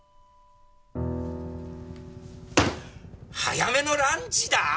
早めのランチだぁ！？